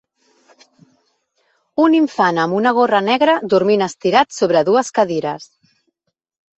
Un infant amb una gorra negra dormint estirat sobre dues cadires.